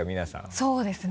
そうですね。